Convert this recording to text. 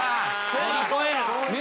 そうやそうや。